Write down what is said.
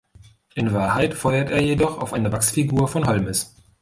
In Wahrheit feuert er jedoch auf eine Wachsfigur von Holmes.